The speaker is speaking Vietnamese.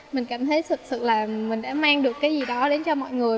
mình cảm thấy thực sự là mình đã mang được cái gì đó đến cho mọi người